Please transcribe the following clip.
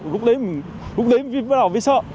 lúc đấy lúc đấy mình bắt đầu bị sợ